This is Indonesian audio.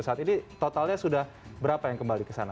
saat ini totalnya sudah berapa yang kembali ke sana